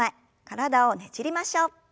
体をねじりましょう。